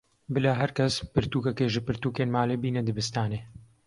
Bila her kes pirtûkekê ji pirtûkên malê bîne dibistanê.